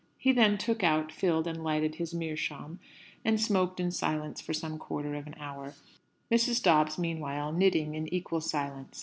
He then took out, filled, and lighted his meerschaum, and smoked in silence for some quarter of an hour, Mrs. Dobbs, meanwhile, knitting in equal silence.